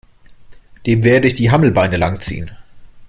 Dem werde ich die Hammelbeine lang ziehen!